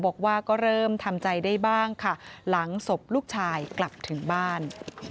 บอกว่าก็เริ่มทำใจได้บ้างค่ะหลังศพลูกชายกลับถึงบ้าน